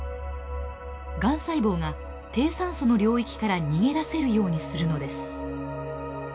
がん細胞が低酸素の領域から逃げ出せるようにするのです。